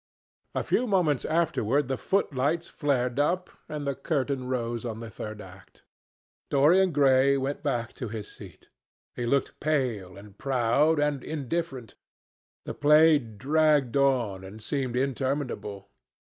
A few moments afterwards the footlights flared up and the curtain rose on the third act. Dorian Gray went back to his seat. He looked pale, and proud, and indifferent. The play dragged on, and seemed interminable.